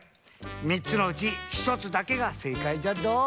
みっつのうちひとつだけがせいかいじゃっど。